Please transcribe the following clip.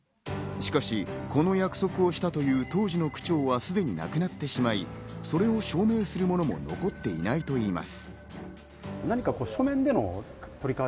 しかし、この約束をしたという当時の区長はすでに亡くなってしまいそれを証明するものも残っていないといいます。